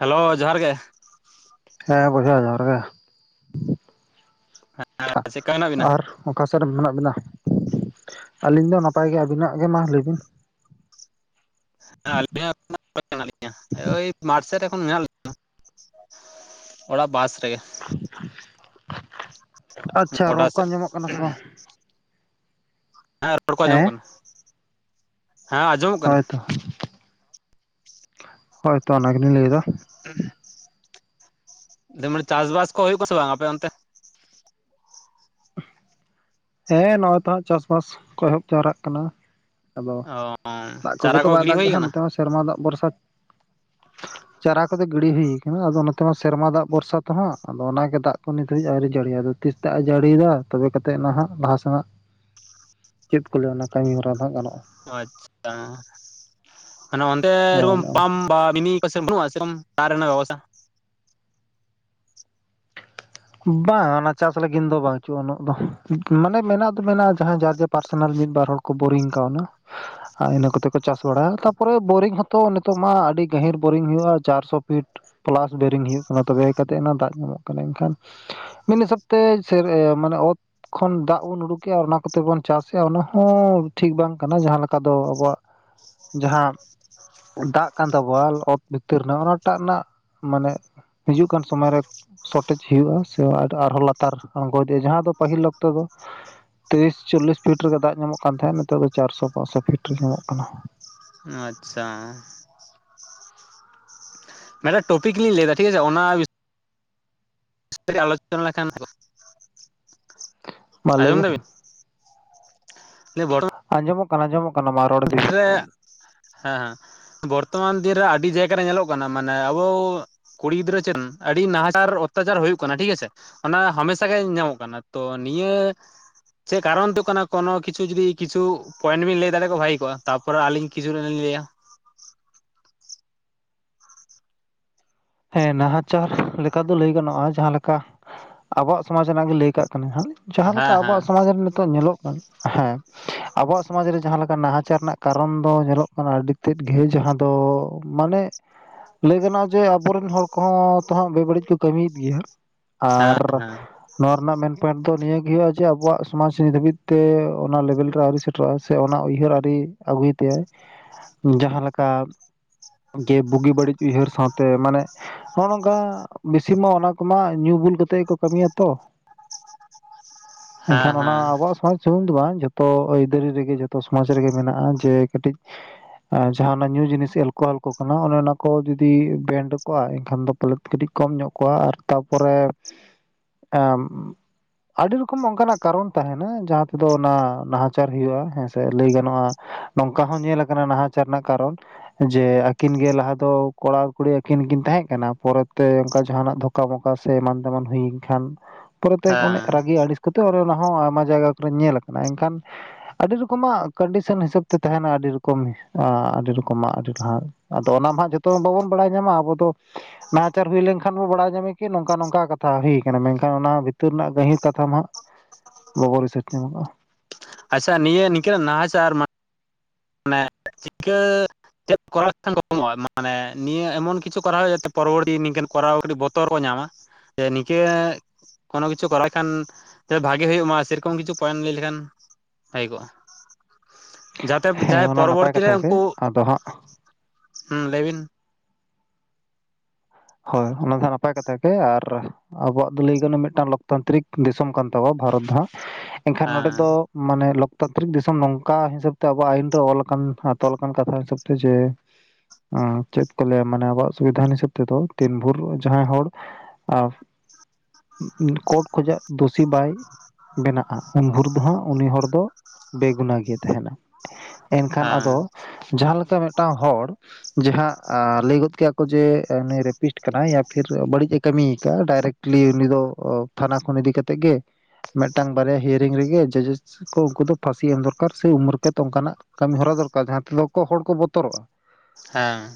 Hello ᱡᱚᱦᱟᱨ ᱜᱮ ᱦᱮᱸ ᱵᱚᱭᱦᱟ ᱡᱚᱦᱟᱨ ᱜᱮ ᱪᱮᱫᱠᱟ ᱢᱮᱱᱟᱜ ᱵᱤᱱᱟ ᱟᱨ ᱚᱠᱟ ᱥᱮᱫ ᱨᱮ ᱢᱮᱱᱟᱜ ᱵᱤᱱᱟ ᱟᱹᱞᱤᱧ ᱫᱚ ᱱᱟᱯᱟᱭ ᱜᱮ ᱟᱹᱵᱤᱱᱟᱜ ᱜᱮ ᱢᱟ ᱞᱟᱹᱭᱵᱤᱱ? ᱟᱹᱞᱤᱧ ᱢᱮᱱᱟᱜ ᱞᱤᱧᱟ ᱳᱭ ᱢᱟᱴᱥᱮᱫ ᱮᱠᱷᱚᱱ ᱢᱮᱱᱟᱜ ᱞᱤᱧᱱᱟ ᱾ ᱚᱲᱟ ᱵᱟᱥ ᱨᱮ ᱟᱪᱪᱷᱟ ᱜᱚᱰᱟ ᱨᱚᱲ ᱠᱚ ᱥᱮᱫ ᱟᱸᱡᱚᱢᱚᱜ ᱠᱟᱱᱟ ᱥᱮ ᱵᱟᱝ? ᱦᱮᱸ ᱨᱚᱲ ᱠᱚ ᱟᱸᱧᱡᱚᱢᱚᱜ ᱠᱟᱱᱟ ᱦᱮᱸ ᱟᱧᱡ ᱦᱳᱭᱛᱚ ᱦᱳᱭ ᱛᱚ ᱚᱱᱟ ᱜᱮᱞᱤᱧ ᱞᱟᱹᱭᱮᱫᱟ ᱡᱮᱢᱚᱱ ᱪᱟᱥᱵᱟᱥ ᱠᱚ ᱦᱩᱭᱩᱜᱼᱟᱥᱮ ᱵᱟᱝ ᱟᱯᱮ ᱚᱱᱛᱮ? ᱦᱮᱸ ᱱᱚᱜᱼᱚᱭ ᱛᱚᱦᱟᱸᱜ ᱪᱟᱥᱵᱟᱥ ᱠᱚ ᱮᱦᱚᱵ ᱡᱟᱣᱨᱟᱜ ᱠᱟᱱᱟ ᱟᱫᱚ ᱚ ᱫᱟᱜ ᱠᱚᱜᱮ ᱪᱟᱨᱟ ᱛᱚ ᱠᱚ ᱵᱟᱭ ᱜᱤᱰᱤ ᱫᱟᱜ ᱦᱩᱭ ᱠᱟᱱᱟ ᱱᱚᱛᱮ ᱦᱚᱸ ᱥᱮᱨᱢᱟ ᱫᱟᱜ ᱵᱷᱚᱨᱥᱟ ᱪᱟᱨᱟ ᱠᱚᱫᱚ ᱜᱤᱲᱤ ᱦᱩᱭ ᱟᱠᱟᱱᱟ ᱟᱫᱚ ᱱᱚᱛᱮ ᱢᱟ ᱥᱮᱨᱢᱟ ᱫᱟᱜ ᱵᱷᱚᱨᱥᱟ ᱛᱮᱦᱚᱸ ᱟᱫᱚ ᱚᱱᱟᱜᱮ ᱫᱟᱜ ᱠᱚ ᱱᱤᱛ ᱦᱟᱹᱵᱤᱡ ᱟᱹᱣᱨᱤ ᱡᱟᱹᱲᱤᱭᱟ ᱫᱚ ᱛᱤᱥ ᱫᱟᱜ ᱮ ᱡᱟᱹᱲᱤ ᱫᱟ ᱛᱚᱵᱮ ᱠᱟᱛᱮᱫ ᱱᱟᱦᱟᱜ ᱞᱟᱦᱟᱥᱮᱱᱟᱜ ᱪᱮᱫ ᱠᱚ ᱞᱟᱹᱭᱟ ᱚᱱᱟ ᱠᱟᱹᱢᱤ ᱦᱚᱨᱟ ᱫᱚ ᱜᱟᱱᱚᱜᱼᱟ ᱟᱪᱪᱷᱟ ᱢᱟᱱᱮ ᱚᱱᱰᱮ ᱦᱮᱸ ᱚᱱᱮ ᱚᱱᱠᱟ ᱯᱟᱢ ᱵᱟ ᱢᱤᱱᱤ ᱟᱯᱮ ᱥᱮᱫ ᱵᱟ. ᱱᱩᱜ ᱟ ᱥᱮᱨᱚᱢ ᱫᱟᱜ ᱨᱮᱱᱟᱜ ᱵᱮᱵᱚᱥᱛᱟ ᱵᱟ ᱚᱱᱟ ᱪᱟᱥ ᱞᱟᱹᱜᱤᱫ ᱫᱚ ᱵᱟᱪᱩᱜᱼᱟ ᱩᱱᱟᱹᱜ ᱫᱚ ᱢᱟᱱᱮ ᱢᱮᱱᱟᱜ ᱫᱚ ᱢᱮᱱᱟᱜᱼᱟ ᱡᱟᱦᱟᱸᱭ ᱡᱟᱨ ᱡᱮ ᱯᱟᱨᱥᱚᱱᱟᱞ ᱢᱤᱫ ᱵᱟᱨ ᱦᱚᱲ ᱠᱚ ᱵᱳᱨᱤᱝ ᱠᱟᱣᱱᱟ ᱤᱱᱟᱹ ᱠᱚᱛᱮ ᱠᱚ ᱪᱟᱥ ᱵᱟᱲᱟᱭᱟ ᱛᱟᱨᱯᱚᱨᱮ ᱵᱳᱨᱤᱝ ᱦᱚᱛᱚ ᱱᱤᱛᱚᱜ ᱢᱟ ᱟᱹᱰᱤ ᱜᱟᱹᱦᱤᱨ ᱵᱳᱨᱤᱝ ᱦᱩᱭᱩᱜᱼᱟ ᱪᱟᱨᱥᱚ ᱯᱷᱤᱴ ᱯᱞᱟᱥ ᱵᱳᱨᱤᱝ ᱦᱩᱭᱩᱜ ᱠᱟᱱᱟ ᱛᱚᱵᱮ ᱠᱟᱛᱮᱫ ᱱᱟ ᱫᱟᱜ ᱧᱟᱢᱚᱜ ᱠᱟᱱᱟ ᱮᱱᱠᱷᱟᱱ ᱢᱤᱫ ᱦᱤᱥᱟᱹᱵ ᱛᱮ ᱪᱮᱫ ᱢᱟᱱᱮ ᱚᱛ ᱠᱷᱚᱱ ᱫᱟᱜ ᱵᱚᱱ ᱩᱰᱩᱠᱮᱫᱼᱟ ᱟᱨ ᱚᱱᱟ ᱠᱚᱛᱮ ᱵᱚᱱ ᱪᱟᱥ ᱮᱫᱼᱟ ᱚᱱᱟ ᱦᱚᱸ ᱴᱷᱤᱠ ᱵᱟᱝ ᱠᱟᱱᱟ ᱡᱟᱦᱟᱸ ᱞᱮᱠᱟ ᱫᱚ ᱟᱵᱚᱣᱟᱜ ᱡᱟᱦᱟᱸ ᱫᱟᱜ ᱠᱟᱱ ᱛᱟᱵᱚᱣᱟ ᱚᱛ ᱵᱷᱤᱛᱤᱨ ᱨᱮᱱᱟᱜ ᱚᱱᱟᱴᱟᱜ ᱨᱮᱱᱟᱜ ᱢᱟᱱᱮ ᱦᱤᱡᱩᱜ ᱠᱟᱱ ᱥᱚᱢᱚᱭ ᱨᱮ ᱥᱚᱴᱷᱤᱠ ᱦᱩᱭᱩᱜᱼᱟ ᱥᱮ ᱟᱨᱦᱚᱸ ᱞᱟᱛᱟᱨ ᱟᱬᱜᱚ ᱤᱫᱤᱜᱼᱟ ᱡᱟᱦᱟᱸ ᱫᱚ ᱯᱟᱹᱦᱤᱞ ᱚᱠᱛᱚ ᱫᱚ ᱛᱤᱨᱤᱥ ᱪᱚᱞᱞᱤᱥ ᱯᱷᱤᱴ ᱨᱮᱜᱮ ᱫᱟᱜ ᱧᱟᱢᱚᱜ ᱠᱟᱱ ᱛᱟᱦᱮᱸᱫ ᱱᱤᱛᱚᱜ ᱫᱚ ᱪᱟᱨᱥᱚ ᱯᱟᱸᱪᱥᱚ ᱯᱷᱤᱴ ᱨᱮ ᱧᱟᱢᱚᱜ ᱠᱟᱱᱟ ᱟᱪᱪᱷᱟ ᱢᱤᱫᱴᱟᱝ ᱴᱚᱯᱤᱠ ᱞᱤᱧ ᱞᱟᱹᱭ ᱫᱟ ᱴᱷᱤᱠ ᱟᱪᱷᱮ ᱚᱱᱟ ᱢᱤᱫᱜᱷᱹᱲᱤ ᱟᱞᱳᱪᱚᱱᱟ ᱞᱮᱠᱷᱟᱱ ᱢᱟ ᱞᱟᱹᱭ ᱟᱸᱡᱚᱢ ᱵᱤᱱ ᱫᱟᱵᱤᱱ [unintelligible] ᱟᱸᱧᱡᱚᱢᱚᱜ ᱠᱟᱱᱟ ᱟᱸᱧᱡᱚᱢᱚᱜ ᱠᱟᱱᱟ ᱢᱟ ᱨᱚᱲ ᱤᱫᱤ ᱵᱤᱱ ᱨᱮ ᱦᱮᱸ ᱵᱚᱨᱛᱚᱢᱟᱱ ᱫᱤᱱ ᱨᱮ ᱟᱹᱰᱤ ᱡᱟᱭᱜᱟ ᱨᱮ ᱧᱮᱞᱚᱜ ᱠᱟᱱᱟ ᱢᱟᱱᱮ ᱟᱵᱚᱼ- ᱠᱩᱲᱤ ᱜᱤᱫᱽᱨᱟᱹ ᱪᱮᱫ ᱟᱹᱰᱤ ᱱᱟᱦᱟᱪᱟᱨ ᱚᱛᱛᱟᱪᱟᱨ ᱦᱩᱭᱩᱜ ᱠᱟᱱᱟ ᱴᱷᱤᱠ ᱟᱪᱷᱮ ᱚᱱᱟ ᱦᱟᱢᱮᱥᱟ ᱜᱮ ᱧᱟᱢᱚᱜ ᱠᱟᱱᱟ ᱛᱚ ᱱᱤᱭᱟᱹ ᱪᱮᱫ ᱠᱟᱨᱚᱱ ᱫᱚ ᱠᱟᱱᱟ ᱠᱚᱱᱚ ᱠᱤᱪᱩ ᱡᱚᱫᱤ ᱠᱤᱪᱷᱩ ᱯᱚᱭᱮᱱᱴ ᱵᱤᱱ ᱞᱟᱹᱭ ᱫᱟᱲᱮ ᱠᱮᱭᱟ ᱵᱷᱟᱜᱮ ᱛᱟᱯᱚᱨ ᱟᱹᱞᱤᱧ ᱠᱤᱪᱷᱩᱴᱟ ᱞᱤᱧ ᱞᱟᱹᱭᱟ ᱦᱮᱸ ᱱᱟᱦᱟᱪᱟᱨ ᱞᱮᱠᱟ ᱫᱚ ᱞᱟᱹᱭ ᱜᱟᱱᱚᱜᱼᱟ ᱡᱟᱦᱟ ᱞᱮᱠᱟ ᱟᱵᱚᱣᱟᱜ ᱥᱚᱢᱟᱡᱽ ᱨᱮᱱᱟᱜ ᱜᱮ ᱞᱟᱹᱭ ᱠᱟᱜ ᱠᱟᱱᱟᱧ ᱦᱟᱜ ᱡᱟᱦᱟ ᱞᱮᱠᱟ ᱦᱮᱸ ᱟᱵᱚᱣᱟᱜ ᱦᱮᱸ ᱥᱚᱢᱟᱡ ᱨᱮ ᱱᱤᱛᱚᱜ ᱧᱮᱞᱚᱜ ᱠᱟᱱᱟ ᱦᱮᱸ ᱟᱵᱚᱣᱟᱜ ᱥᱚᱢᱟᱡᱽ ᱨᱮ ᱡᱟᱦᱟᱸ ᱞᱮᱠᱟ ᱱᱟᱦᱟᱪᱟᱨ ᱨᱮᱱᱟᱜ ᱠᱟᱨᱚᱱ ᱫᱚ ᱧᱮᱞᱚᱜ ᱠᱟᱱᱟ ᱟᱹᱰᱤ ᱛᱮᱫ ᱜᱮ ᱡᱟᱦᱟᱸ ᱫᱚ ᱢᱟᱱᱮ ᱞᱟᱹᱭ ᱜᱟᱱᱚᱜᱼᱟ ᱡᱮ ᱟᱵᱚᱨᱮᱱ ᱦᱚᱲ ᱠᱚᱦᱚᱸ ᱛᱚ ᱦᱟᱸᱜ ᱵᱮᱵᱟᱹᱲᱤᱡ ᱠᱚ ᱠᱟᱹᱢᱤᱭᱮᱫ ᱜᱮᱭᱟ ᱟᱨ ᱦᱮᱸ ᱦᱮᱸ ᱱᱚᱣᱟ ᱨᱮᱱᱟᱜ ᱢᱮᱱ ᱯᱚᱭᱮᱱᱴ ᱫᱚ ᱱᱤᱭᱟᱹ ᱜᱮᱭᱟ ᱡᱮ ᱟᱵᱚᱣᱟᱜ ᱥᱚᱢᱟᱡᱽ ᱱᱤᱛ ᱫᱷᱟᱹᱵᱤᱡ ᱛᱮ ᱚᱱᱟ ᱞᱮᱵᱮᱞ ᱨᱮ ᱟᱹᱣᱨᱤ ᱥᱮ ᱴᱨᱟᱥᱮ ᱚᱱᱟ ᱩᱭᱦᱟᱹᱨ ᱟᱹᱣᱨᱤ ᱟᱹᱜᱩᱭ ᱛᱮ ᱡᱟᱸᱦᱟ ᱞᱮᱠᱟ ᱡᱮ ᱵᱩᱜᱤ ᱵᱟᱹᱲᱤᱡ ᱩᱭᱦᱟᱹᱨ ᱥᱟᱶᱛᱮ ᱢᱟᱱᱮ ᱱᱚᱜᱼᱚ ᱱᱚᱝᱠᱟ ᱵᱤ ᱪᱷᱤᱢᱟ ᱚᱱᱟ ᱠᱚᱢᱟ ᱧᱩ ᱵᱩᱞ ᱠᱟᱛᱮᱫ ᱜᱮ ᱠᱚ ᱠᱟᱹᱢᱤᱭᱟ ᱛᱚ ᱮᱱᱠᱷᱟᱱ ᱦᱮᱸ ᱚᱱᱟ ᱦᱮᱸ ᱟᱵᱚᱣᱟᱜ ᱥᱚᱢᱟᱡ ᱥᱩᱢᱩᱝ ᱫᱚ ᱵᱟᱝ ᱡᱷᱚᱛᱚ ᱟᱹᱭᱫᱟᱹᱨᱤ ᱨᱮᱜᱮ ᱡᱚᱛᱚ ᱥᱚᱢᱟᱡ ᱨᱮᱜᱮ ᱢᱮᱱᱟᱜᱼᱟ ᱡᱮ ᱠᱟᱹᱴᱤᱡ ᱡᱟᱸᱦᱟ ᱚᱱᱟ ᱧᱩ ᱡᱤᱱᱤᱥ ᱮᱞᱠᱳᱦᱚᱞ ᱠᱚ ᱠᱟᱱᱟ ᱚᱱᱮ ᱚᱱᱟ ᱠᱚ ᱡᱩᱫᱤ ᱵᱮᱱ ᱠᱮ ᱠᱚᱣᱟ ᱮᱱᱠᱷᱟᱱ ᱫᱚ ᱯᱟᱞᱮᱛ ᱠᱟᱹᱴᱤᱡ ᱠᱚᱢ ᱧᱚᱜ ᱠᱚᱜᱼᱟ ᱟᱨ ᱛᱟᱨᱯᱚᱨᱮ ᱮ ᱟᱰᱤ ᱨᱚᱠᱚᱢ ᱚᱱᱠᱟᱱᱟᱜ ᱠᱟᱨᱚᱱ ᱛᱟᱦᱮᱱᱟ ᱡᱟᱦᱟᱸ ᱛᱮᱫᱚ ᱚᱱᱟ ᱱᱟᱦᱟᱪᱟᱨ ᱦᱩᱭᱩᱜ-ᱟ ᱦᱮᱸ ᱥᱮ ᱞᱟᱹᱭ ᱜᱟᱱᱚᱜ-ᱟᱼᱼ ᱱᱚᱝᱠᱟ ᱦᱚᱸ ᱧᱮᱞᱟ ᱟᱠᱟᱱᱟ ᱱ ᱱᱟᱦᱟᱪᱟᱨ ᱨᱮᱱᱟᱜ ᱠᱟᱨᱚᱱ ᱡᱮ ᱟᱹᱠᱤᱱ ᱜᱮ ᱞᱟᱦᱟ ᱫᱚ ᱠᱚᱲᱟ ᱟᱨ ᱠᱩᱲᱤᱼᱼ ᱩᱱᱠᱤᱱ ᱠᱤᱱ ᱛᱟᱦᱮᱸ ᱠᱟᱱᱟ ᱯᱚᱨᱮ ᱛᱮ ᱚᱱᱠᱟ ᱡᱟᱦᱟᱸ ᱱᱟᱜ ᱫᱷᱚᱠᱟ ᱢᱚᱠᱟ ᱥᱮ ᱮᱢᱟᱱ ᱛᱮᱢᱟᱱ ᱦᱩᱭᱮᱱ ᱠᱷᱟᱱᱼᱼ ᱯᱚᱨᱮ ᱛᱮ ᱦᱮᱸ ᱚᱱᱮ ᱨᱟᱜᱤ ᱟᱹᱲᱤᱥ ᱠᱟᱛᱮ ᱚᱱ ᱚᱱᱟ ᱦᱚᱸ ᱟᱭᱢᱟ ᱡᱟᱭᱜᱟ ᱠᱚᱨᱮ ᱧᱮᱞ ᱟᱠᱟᱱᱟ ᱮᱱᱠᱷᱟᱱᱼᱼ ᱟᱰᱤ ᱨᱚᱠᱚᱢᱟᱜ ᱠᱚᱱᱰᱤᱥᱚᱱ ᱦᱤᱥᱟᱹᱵᱽ ᱛᱮ ᱛᱟᱦᱮᱱᱟ ᱟᱹᱰᱤ ᱨᱚᱠᱚᱢ ᱟᱻ ᱟᱹᱰᱤ ᱨᱚᱠᱚᱢᱟᱜ ᱟᱹᱰᱤ ᱞᱟᱼᱼ ᱟᱫᱚ ᱚᱱᱟ ᱢᱟ ᱦᱟᱸᱜ ᱡᱚᱛᱚ ᱵᱟᱵᱚᱱ ᱵᱟᱲᱟᱭ ᱧᱟᱢᱟ ᱟᱵᱚ ᱫᱚ ᱱᱟᱦᱟᱪᱟᱨ ᱦᱩᱭ ᱞᱮᱱᱠᱷᱟᱼᱼ ᱠᱷᱟᱱ ᱵᱚ ᱵᱟᱲᱟᱭ ᱧᱟᱢᱮ ᱠᱤ ᱱᱚᱝᱠᱟ ᱱᱚᱝᱠᱟ ᱠᱟᱛᱷᱟ ᱦᱩᱭ ᱠᱟᱱᱟ ᱢᱮᱱᱠᱷᱟᱱ ᱚᱱᱟ ᱵᱷᱤᱛᱤᱨ ᱨᱮᱱᱟᱜ ᱜᱟᱹᱦᱤᱨ ᱠᱟᱛᱷᱟ ᱢᱟ ᱦᱟᱸᱜᱼᱼ ᱵᱟᱵᱚ ᱨᱤᱥᱟᱪ ᱧᱟᱢᱚᱜᱼ ᱟ ᱟᱪᱪᱷᱟ ᱱᱤᱭᱟᱹ ᱱᱤᱝᱠᱟᱹᱱᱟᱜ ᱱᱟᱦᱟᱪᱟᱨ ᱢᱟᱼᱼ ᱱᱟ ᱪᱤᱠᱟᱹᱼᱼ ᱪᱮᱫ ᱠᱚᱨᱟᱣ ᱞᱮᱠᱷᱟᱱ ᱠᱚᱢᱚᱜᱼᱟ ᱢᱟᱱᱮ ᱱᱤᱭᱟᱹ ᱮᱢᱚᱱ ᱠᱤᱪᱷᱩ ᱠᱚᱨᱟᱣ ᱦᱩᱭᱩᱜᱼᱟ ᱡᱟᱛᱮ ᱯᱚᱨᱚᱵᱚᱨᱛᱤ ᱱᱤᱝᱠᱟᱹ ᱠᱚᱨᱟᱣ ᱨᱮ ᱠᱟᱹᱴᱤᱡ ᱵᱚᱛᱚᱨ ᱠᱚ ᱧᱟᱢᱟ ᱥᱮ ᱱᱤᱝᱠᱟᱹ ᱠᱚᱱᱚ ᱠᱤᱪᱷᱩ ᱠᱚᱨᱟᱣ ᱠᱷᱟᱱ ᱥᱮ ᱵᱷᱟᱜᱮ ᱦᱩᱭᱩᱜ ᱢᱟ ᱥᱮᱭ ᱨᱚᱠᱚᱢ ᱠᱤᱪᱷᱩ ᱯᱚᱭᱮᱱᱴ ᱞᱟᱹᱭ ᱞᱮᱠᱷᱟᱱ ᱵᱷᱟᱜᱤ ᱠᱚᱜ-ᱟ᱾ ᱛᱮᱵᱽ ᱦᱮᱸ ᱡᱟᱦᱟᱸᱭ ᱚᱱᱟ ᱱᱟᱯᱟᱭ ᱯᱚᱨᱚᱵᱚᱨᱛᱤ ᱨᱮ ᱠᱟᱛᱷᱟ ᱜᱮ ᱩᱱᱠᱩ, ᱟᱫᱚ ᱦᱟᱸᱜ ᱦᱩᱸ ᱞᱟᱹᱭ ᱵᱤᱱ? ᱦᱚᱭ ᱚᱱᱟ ᱫᱚ ᱦᱟᱸᱜ ᱱᱟᱯᱟᱭ ᱠᱟᱛᱷᱟ ᱜᱮ ᱟᱨᱼᱼ ᱟᱵᱚᱣᱟᱜ ᱫᱚ ᱞᱟᱹᱭ ᱜᱟᱱᱚᱜ-ᱟ ᱢᱤᱫᱴᱟᱝ ᱞᱳᱠᱛᱟᱱᱛᱨᱤᱠ ᱫᱤᱥᱚᱢ ᱠᱟᱱ ᱛᱟᱵᱚ ᱵᱷᱟᱨᱚᱛ ᱫᱚ ᱦᱟᱸᱜ ᱮᱱᱠᱷᱟᱱ ᱱᱚᱸᱰᱮ ᱦᱮᱸ ᱫᱚᱼᱼ ᱢᱟᱱᱮ ᱞᱳᱠᱛᱟᱱᱛᱨᱤᱠ ᱫᱤᱥᱚᱢ ᱱᱚᱝᱠᱟ ᱦᱤᱥᱟᱹᱵᱽ ᱛᱮ ᱟᱵᱚᱣᱟᱜ ᱟᱭᱤᱱ ᱨᱮ ᱚᱞ ᱟᱠᱟᱱ ᱛᱚᱞ ᱟᱠᱟᱱ ᱠᱟᱛᱷᱟ ᱦᱤᱥᱟᱹᱵᱽ ᱛᱮ ᱡᱮᱼᱼ ᱚᱸᱻ ᱪᱮᱫ ᱠᱚ ᱞᱟᱹᱭᱟ ᱢᱟᱱᱮ ᱟᱵᱚᱣᱟᱜ ᱥᱩᱵᱤᱫᱷᱟᱱ ᱦᱤᱥᱟᱹᱵᱽᱼᱼ ᱛᱮᱫᱚ ᱫᱤᱱ ᱵᱷᱳᱨ ᱡᱟᱦᱟᱸᱭ ᱦᱚᱲ ᱟᱸᱻᱼᱼ ᱠᱳᱨᱴ ᱠᱷᱚᱡᱟᱜ ᱫᱩᱥᱤ ᱵᱟᱭ ᱵᱮᱱᱟᱜ-ᱟ ᱩᱱ ᱵᱷᱳᱨ ᱫᱚ ᱦᱟᱸᱜ ᱩᱱᱤ ᱦᱚᱲ ᱫᱚᱼᱼ ᱵᱮ ᱜᱩᱱᱟ ᱜᱮ ᱛᱟᱦᱮᱱᱟ ᱮᱱᱠᱷᱟᱱ ᱟᱫᱚᱼᱼ ᱦᱮᱸ ᱡᱟᱦᱟᱸ ᱞᱮᱠᱟ ᱢᱮᱜᱴᱟᱝ ᱦᱚᱲ ᱡᱟᱦᱟᱸ ᱟᱻ ᱞᱟᱹᱭ ᱜᱚᱫ ᱠᱮᱜ-ᱟ ᱠᱚ ᱡᱮᱼᱼ ᱮᱻ ᱩᱱᱤ ᱨᱮᱯᱤᱥᱴ ᱠᱟᱱᱟᱭ ᱭᱟ ᱯᱷᱤᱨ ᱵᱟᱹᱲᱤᱡ ᱮ ᱠᱟᱹᱢᱤᱭ ᱟᱠᱟᱜ-ᱟ ᱰᱟᱭᱨᱮᱠᱴᱤᱞᱤ ᱩᱱᱤ ᱫᱚ ᱚᱻ ᱛᱷᱟᱱᱟ ᱠᱷᱚᱱ ᱤᱫᱤ ᱠᱟᱛᱮᱜ ᱜᱮᱼᱼ ᱢᱮᱜᱴᱟᱝ ᱵᱟᱨᱭᱟ ᱦᱮᱭᱟᱹᱨᱤᱝ ᱨᱮᱜᱮ ᱡᱚ ᱡᱚᱥ ᱠᱚ ᱩᱱᱠᱩ ᱫᱚ ᱯᱷᱟᱸᱥᱤ ᱮᱢ ᱫᱚᱨᱠᱟᱨ ᱥᱮ ᱩᱢᱟᱹᱨ ᱠᱮᱛ ᱚᱱᱠᱟ ᱱᱟᱜᱼᱼ ᱠᱟᱢᱤ ᱦᱚᱨᱟ ᱫᱚᱨᱠᱟᱨ ᱡᱟᱦᱟᱸ ᱛᱮᱞᱚ ᱠᱚ ᱦᱚᱲ ᱠᱚ ᱵᱚᱛᱚᱨᱚᱜ-ᱟ᱾ ᱦᱮᱸ᱾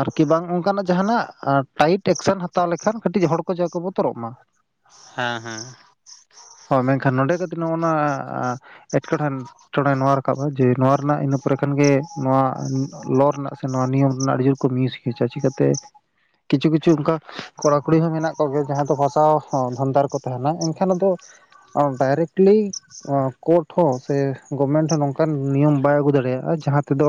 ᱟᱨ ᱠᱤ ᱵᱟᱝ ᱚᱱᱠᱟ ᱱᱟᱜ ᱡᱟᱦᱟᱸ ᱱᱟᱜᱼᱼ ᱟᱨ ᱴᱟᱭᱤᱴ ᱮᱠᱥᱮᱱ ᱦᱟᱛᱟᱣ ᱞᱮᱠᱷᱟᱱ ᱠᱟᱹᱴᱤᱡ ᱦᱚᱲ ᱠᱚ ᱡᱟ ᱠᱚ ᱵᱚᱛᱚᱨᱚᱜ ᱢᱟ᱾ ᱦᱮᱸ ᱦᱮᱸ᱾ ᱦᱚᱭ ᱢᱮᱱᱠᱷᱟᱱ ᱱᱚᱸᱰᱮ ᱠᱟᱹ [unintelligible] ᱱᱚᱜᱼᱚᱱᱟ ᱟᱻᱮᱴᱠᱮᱴᱚᱬᱮ ᱴᱷᱮᱱᱼᱼ ᱴᱚᱬᱮ ᱱᱚᱣᱟ ᱨᱟᱠᱟᱵ ᱟ ᱡᱮ ᱱᱚᱣᱟ ᱨᱮᱱᱟᱜ ᱤᱱᱟᱹ ᱯᱚᱨᱮ ᱠᱷᱟᱱ ᱜᱮ ᱱᱚᱣᱟ ᱞᱚ ᱨᱮᱱᱟᱜ ᱥᱮ ᱱᱚᱣᱟ ᱱᱤᱭᱚᱢ ᱨᱮᱱᱟᱜ ᱟᱹᱰᱤ ᱡᱩᱨᱼᱼ ᱠᱩ ᱢᱤᱥ ᱠᱤᱪᱟ ᱪᱤᱠᱟᱛᱮ᱾ ᱠᱤᱪᱷᱩ ᱠᱤᱪᱷᱩ ᱚᱱᱠᱟ ᱠᱚᱲᱟ ᱠᱩᱲᱤ ᱦᱚᱸ ᱢᱮᱱᱟᱜ ᱠᱚᱜᱮ ᱡᱟᱦᱟᱸᱭ ᱫᱚ ᱯᱷᱟᱸᱥᱟᱣ ᱥᱟᱶ ᱫᱷᱚᱱᱫᱟ ᱨᱮ ᱠᱚ ᱛᱟᱦᱮᱱᱟ ᱮᱱᱠᱷᱟᱱ ᱟᱫᱚ ᱚᱸᱻ ᱰᱟᱭᱨᱮᱠᱴᱤᱞᱤᱼᱼ ᱚᱸᱻ ᱠᱳᱨᱴ ᱦᱚᱸ ᱥᱮ ᱜᱚᱵᱷᱢᱮᱱᱴ ᱦᱚᱸ ᱱᱚᱝᱠᱟᱱ ᱱᱤᱭᱚᱢ ᱵᱟᱭ ᱟᱹᱜᱩ ᱫᱟᱲᱮᱭᱟᱜ-ᱟ ᱡᱟᱦᱟᱸ ᱛᱮᱫᱚᱼᱼ